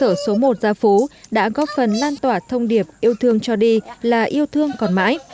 các em học sinh trường trung học cơ sở số một gia phú đã góp phần lan tỏa thông điệp yêu thương cho đi là yêu thương còn mãi